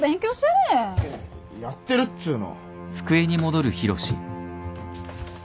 やってるっつうの